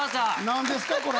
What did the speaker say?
何ですかこれ。